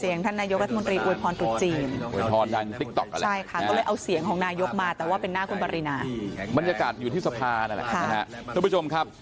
อยู่ที่สภาท่านผู้ชมครับ